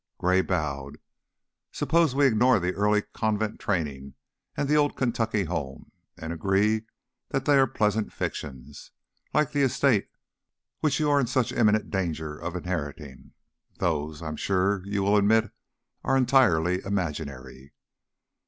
Gray bowed. "Suppose we ignore the early convent training and the Old Kentucky Home and agree that they are pleasant fictions, like the estate which you are in such imminent danger of inheriting. Those, I'm sure you will admit, are entirely imaginary."